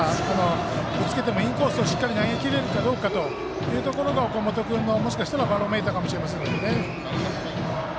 ぶつけてもインコースをしっかりと投げきれるかどうかというのが岡本君のもしかしたらバローメーターかもしれませんね。